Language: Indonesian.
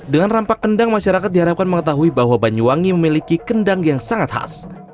dengan rampak kendang masyarakat diharapkan mengetahui bahwa banyuwangi memiliki kendang yang sangat khas